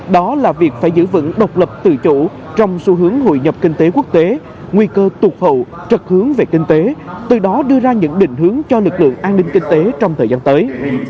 đó là việc phải giữ vững độc lập tự chủ trong xu hướng hội nhập kinh tế quốc tế nguy cơ tụt hậu trật hướng về kinh tế từ đó đưa ra những định hướng cho lực lượng an ninh kinh tế trong thời gian tới